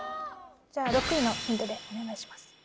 じゃ６位のヒントでお願いします